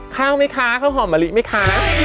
ข้าวไหมคะข้าวหอมมะลิไหมคะ